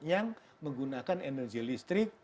yang menggunakan energi listrik